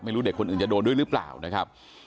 เด็กคนอื่นจะโดนด้วยหรือเปล่านะครับ